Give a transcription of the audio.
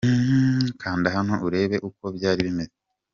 Kanda hano urebe uko byari bimeze .